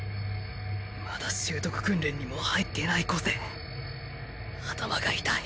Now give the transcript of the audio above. まだ習得訓練にも入ってない個性頭が痛い